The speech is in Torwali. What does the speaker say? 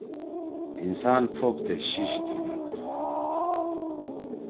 انسان پھوپ تے شیِش گھیِنَدی۔